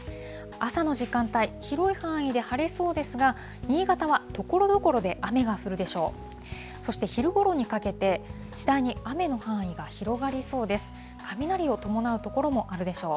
朝の時間帯、広い範囲で晴れそうですが、新潟はところどころで雨が降るでしょう。